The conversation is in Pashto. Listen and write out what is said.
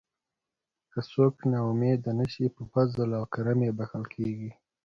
که څوک نا امید نشي په فضل او کرم یې بښل کیږي.